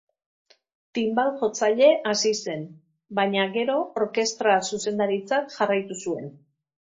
Tinbal-jotzaile hasi zen, baina gero orkestra-zuzendaritzat jarraitu zuen.